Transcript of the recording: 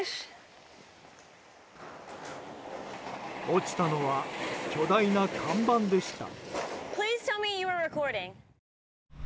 落ちたのは巨大な看板でした。